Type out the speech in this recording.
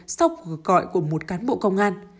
sọc hở cõi của một cán bộ công an